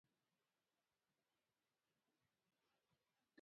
او د ایس میکس شاوخوا د خالي بکسونو ډیرۍ وه